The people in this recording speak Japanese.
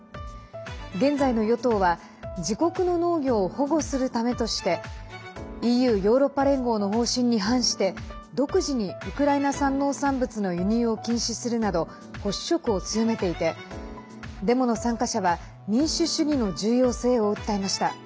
現在の与党は自国の農業を保護するためとしてＥＵ＝ヨーロッパ連合の方針に反して独自にウクライナ産農産物の輸入を禁止するなど保守色を強めていてデモの参加者は民主主義の重要性を訴えました。